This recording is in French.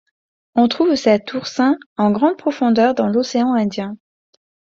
On trouve cet oursin en grande profondeur dans l'Océan Indien.